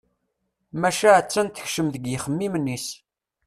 Maca a-tt-an tekcem deg yixemmimen-is.